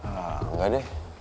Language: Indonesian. ah nggak deh